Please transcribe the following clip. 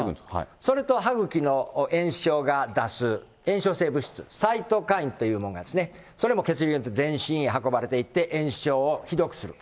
それと歯ぐきの炎症が出す炎症性物質、サイトカインというものが、それも血流で、全身に運ばれていって、炎症をひどくする。